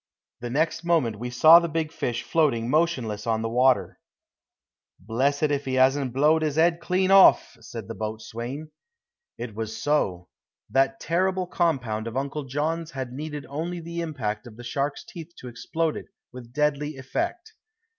The next moment we saw the big fish floating motionless on the water. "Blessed if 'e 'asn't blowed 'is 'ead clean hoff," said the boatswain. It was so. That terrible compound of Uncle John's had needed only the impact of the shark's teeth to explode it with deadly effect.